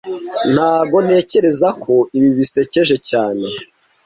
Ntago ntekereza ko ibi bisekeje cyane